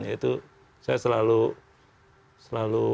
yaitu saya selalu selalu